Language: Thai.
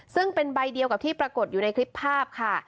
ซึ่งเป็นใบเดียวกับที่ปรากฏอยู่ในคลิปภาพค่ะ